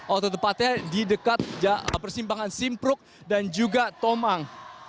atau tepatnya di dekat persimpangan simpruk dan juga tomang